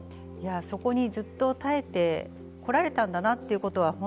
そこにずっと耐えてこられたんだなと。